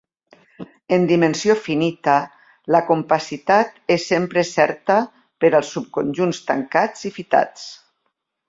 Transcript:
En dimensió finita, la compacitat és sempre certa per als subconjunts tancats i fitats.